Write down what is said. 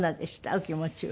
お気持ちは。